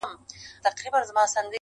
صحرايي ویل موچي درته وهمه!!